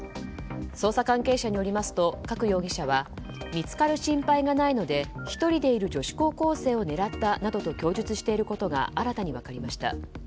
捜査関係者によりますと加久容疑者は見つかる心配がないので１人でいる女子高校生を狙ったなどと供述していることが新たに分かりました。